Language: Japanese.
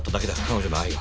彼女の愛が。